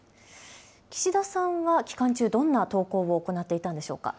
岸田さんは期間中、どんな投稿を行っていたんでしょうか。